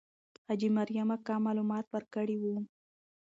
حاجي مریم اکا معلومات ورکړي وو.